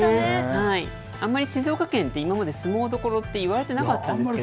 あんまり静岡県って、今まで相撲どころっていわれてなかったんですけど。